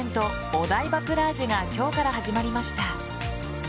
お台場プラージュが今日から始まりました。